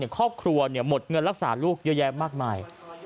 ครอบครัวเงินลักษณ์รักษาหลูกเยอะแยะมากมาย